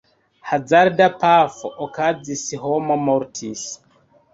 Hazarda pafo okazis, homo mortis.